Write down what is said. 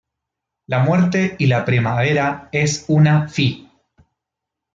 La muerte y la primavera es una fi